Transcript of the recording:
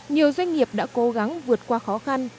nhiều doanh nghiệp đã cố gắng vượt qua khó khăn